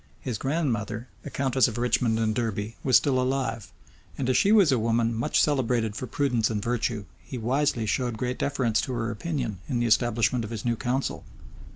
His grandmother, the countess of Richmond and Derby, was still alive; and as she was a woman much celebrated for prudence and virtue, he wisely showed great deference to her opinion in the establishment of his new council.